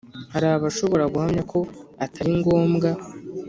Hari abashobora guhamya ko atari ngombwa